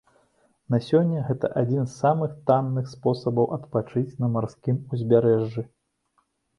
На сёння гэта адзін з самых танных спосабаў адпачыць на марскім узбярэжжы.